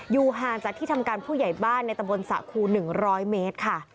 ห่างจากที่ทำการผู้ใหญ่บ้านในตะบนสะครู๑๐๐เมตรค่ะ